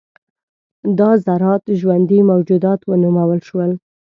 دا ذرات ژوندي موجودات ونومول شول.